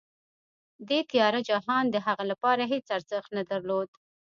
دې تیاره جهان د هغه لپاره هېڅ ارزښت نه درلود